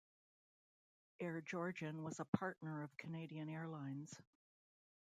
Air Georgian was a partner of Canadian Airlines.